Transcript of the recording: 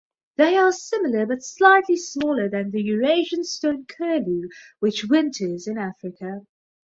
They are similar but slightly smaller than the Eurasian stone-curlew, which winters in Africa.